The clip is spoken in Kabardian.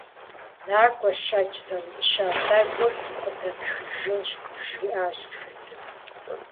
НакӀуэ, щэкӀ зэӀутща тӀэкӀур къыдэтхыжынщ, - жриӏащ и фызым.